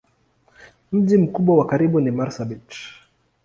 Mji mkubwa wa karibu ni Marsabit.